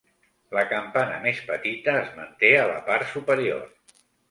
La campana més petita es manté a la part superior.